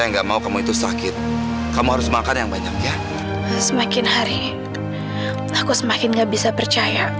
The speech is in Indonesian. kenapa kamu cuma makan tahu dan kepis aja